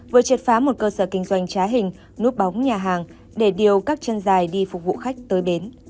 vừa triệt phá một cơ sở kinh doanh trá hình núp bóng nhà hàng để điều các chân dài đi phục vụ khách tới bến